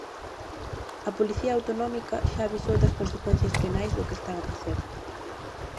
A policía autonómica xa avisou das consecuencias penais do que están a facer.